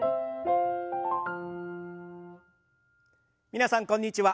皆さんこんにちは。